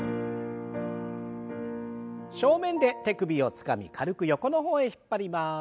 正面で手首をつかみ軽く横の方へ引っ張ります。